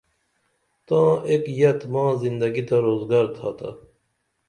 تاں ایک یت ماں زندگی تہ روزگر تھاتا